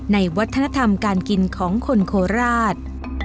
ในวัฒนธรรมการกินของคนโคราช